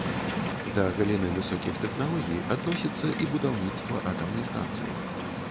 Да галіны высокіх тэхналогій адносіцца і будаўніцтва атамнай станцыі.